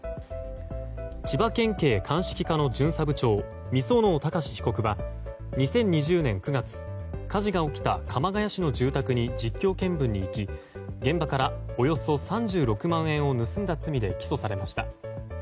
千葉県警鑑識課の巡査部長御園生貴史被告は２０２０年９月火事が起きた鎌ケ谷市の住宅に実況見分に行き現場からおよそ３６万円を盗んだ罪で起訴されました。